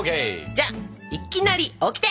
じゃあ「いきなり」オキテ！